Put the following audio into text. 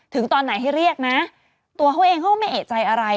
ตอนไหนให้เรียกนะตัวเขาเองเขาก็ไม่เอกใจอะไร